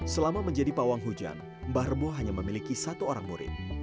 selama menjadi pawang hujan mbah remo hanya memiliki satu orang murid